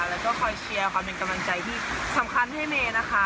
แล้วก็คอยเชียร์คอยเป็นกำลังใจที่สำคัญให้เมย์นะคะ